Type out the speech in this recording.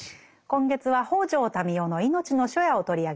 今月は北條民雄の「いのちの初夜」を取り上げています。